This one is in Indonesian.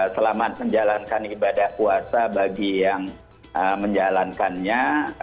selamat menjalankan ibadah puasa bagi yang menjalankannya